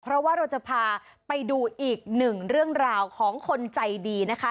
เพราะว่าเราจะพาไปดูอีกหนึ่งเรื่องราวของคนใจดีนะคะ